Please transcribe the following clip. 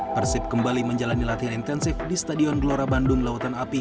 persib kembali menjalani latihan intensif di stadion gelora bandung lautan api